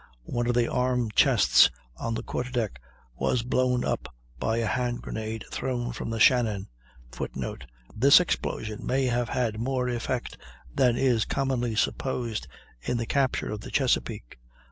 One of the arm chests on the quarter deck was blown up by a hand grenade thrown from the Shannon. [Footnote: This explosion may have had more effect than is commonly supposed in the capture of the Chesapeake.